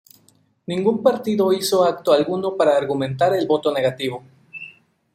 Ningún partido hizo acto alguno para argumentar el voto negativo.